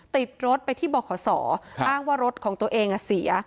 ติดรถไปที่บขอ้างว่ารถของตัวเองเสีย